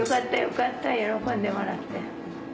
よかった喜んでもらって。